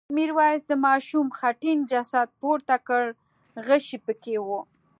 میرويس د ماشوم خټین جسد پورته کړ غشی پکې و.